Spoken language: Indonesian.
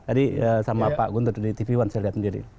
tadi sama pak guntur di tv one saya lihat sendiri